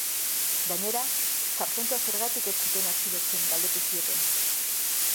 Gainera, sarjentua zergatik ez zuten atxilotzen galdetu zieten.